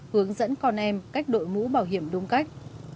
hướng dẫn con em cách đội mũ bảo hiểm đúng cách